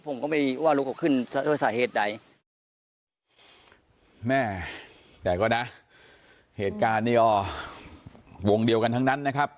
ผมก็ไม่รู้ว่าลูกเขาขึ้นด้วยสาเหตุใดแม่แต่ก็นะเหตุการณ์นี้ก็วงเดียวกันทั้งนั้นนะครับ